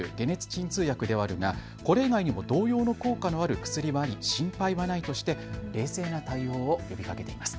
鎮痛薬ではあるがこれ以外にも同様の効果のある薬はあり心配はないとして冷静な対応を呼びかけています。